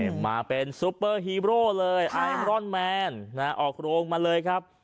มาเป็นซุปเปอร์ฮีโร่เลยไอมรอนแมนนะฮะออกโรงมาเลยครับ